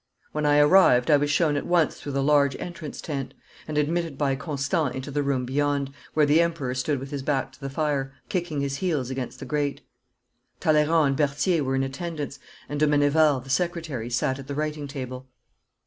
When I arrived I was shown at once through the large entrance tent, and admitted by Constant into the room beyond, where the Emperor stood with his back to the fire, kicking his heels against the grate. Talleyrand and Berthier were in attendance, and de Meneval, the secretary, sat at the writing table.